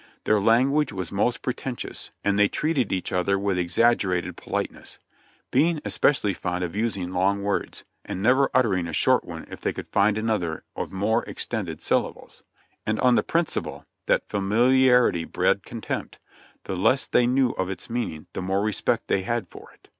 Their language was most preten tious, and they treated each other with exaggerated politeness; being especially fond of using long words, and never uttering a short one if they could find another of more extended syllables ; and on the principle that familiarity bred contempt, the less they knew of its meaning the more respect they had for it.